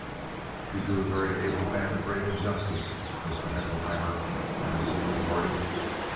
"You do a very able man a great injustice, Mr. Haeckelheimer," Addison retorted.